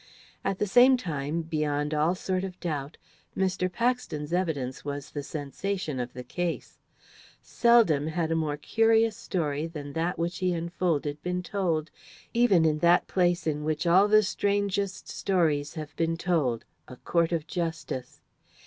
At the same time, beyond all sort of doubt, Mr. Paxton's evidence was the sensation of the case. Seldom has a more curious story than that which he unfolded been told, even in that place in which all the strangest stories have been told, a court of justice.